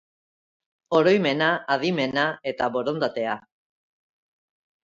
Oroimena, adimena eta borondatea.